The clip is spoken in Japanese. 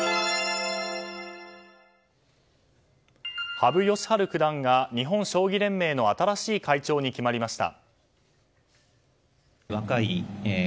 羽生善治九段が日本将棋連盟の新しい会長に決まりました。